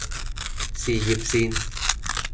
事業線